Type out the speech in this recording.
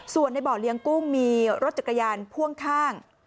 ส่วนในบ่อเลี้ยงกุ้งมีรถจักรยานพ่วงข้าง